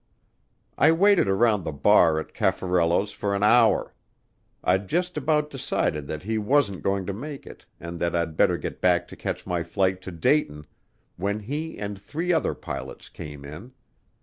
I waited around the bar at Caffarello's for an hour. I'd just about decided that he wasn't going to make it and that I'd better get back to catch my flight to Dayton when he and three other pilots came in.